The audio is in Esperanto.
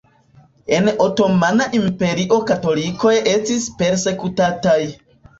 En Otomana Imperio katolikoj estis persekutataj.